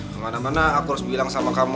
kemana mana aku harus bilang sama kamu